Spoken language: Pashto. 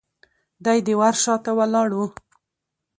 دی د ور شاته ولاړ و.